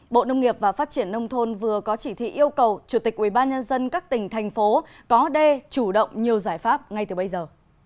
bộ nông nghiệp và phát triển nông thôn vừa có chỉ thị yêu cầu chủ tịch ubnd các tỉnh thành phố có đê chủ động nhiều giải pháp ngay từ bây giờ